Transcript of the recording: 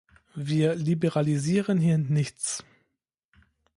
Wir liberalisieren hier nichts.